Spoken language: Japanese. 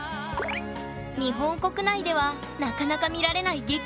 日本国内ではなかなか見られない激